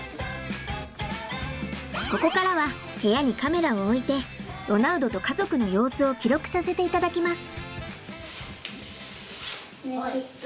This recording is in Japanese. ここからは部屋にカメラを置いてロナウドと家族の様子を記録させていただきます。